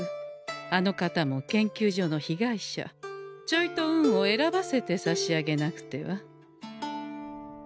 あの方も研究所の被害者ちょいと運を選ばせてさしあげなくては。